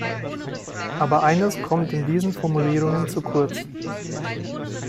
Aber eines kommt in diesen Formulierungen zu kurz.